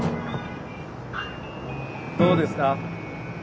どうですか？